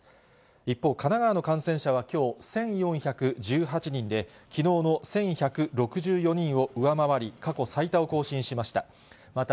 一方、神奈川の感染者はきょう、１４１８人で、きのうの１１６４人を上回り、過去最多を更新しました。